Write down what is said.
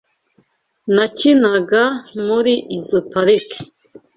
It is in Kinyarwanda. Nakinaga muri izoi parike.